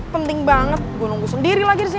penting banget gue nunggu sendiri lagi di sini